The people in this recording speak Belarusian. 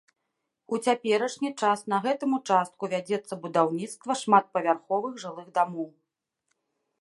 У цяперашні час на гэтым участку вядзецца будаўніцтва шматпавярховых жылых дамоў.